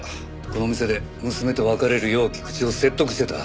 この店で娘と別れるよう菊池を説得してた。